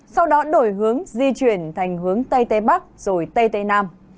sau đó đổi hướng di chuyển thành hướng tây tây bắc rồi tây tây nam